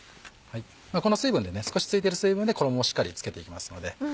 この少し付いてる水分で衣をしっかり付けていきますので。